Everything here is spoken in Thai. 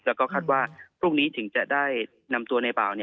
แล้วก็คาดว่าพรุ่งนี้ถึงจะได้นำตัวในบ่าว